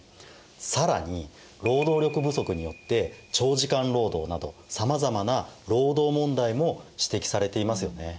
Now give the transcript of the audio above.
更に労働力不足によって長時間労働などさまざまな労働問題も指摘されていますよね。